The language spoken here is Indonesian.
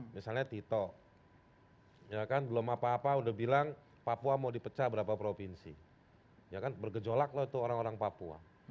misalnya tito belum apa apa sudah bilang papua mau dipecah berapa provinsi bergejolak loh itu orang orang papua